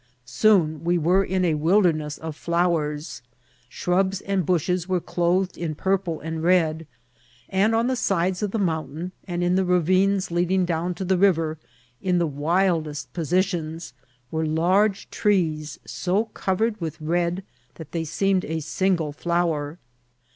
Soon we were in a wilderness of flowers ; shrubs and bushes were clothed in purple and red ; and on the sides of the mountain, and in the ra« vines leading down to the riy^r, in the wildest posi* tions, were large trees so covered with red that they seemed a single flower.